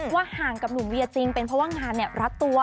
ห่างกับหนุ่มเวียจริงเป็นเพราะว่างานรัดตัว